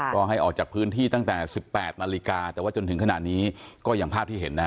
ก็ให้ออกจากพื้นที่ตั้งแต่๑๘นาฬิกาแต่ว่าจนถึงขนาดนี้ก็อย่างภาพที่เห็นนะฮะ